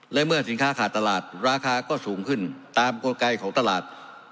และเมื่อสินค้าขาดตลาดราคาก็สูงขึ้นตามกลไกของตลาด